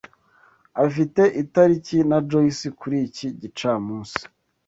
Afite itariki na Joyce kuri iki gicamunsi.